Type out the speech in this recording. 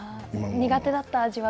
苦手だった味は